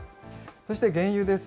そして原油です。